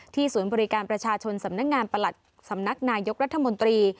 ศูนย์บริการประชาชนสำนักงานประหลัดสำนักนายกรัฐมนตรี